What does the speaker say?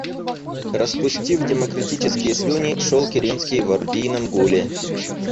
Распустив демократические слюни, шел Керенский в орудийном гуле.